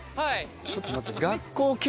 ちょっと待って。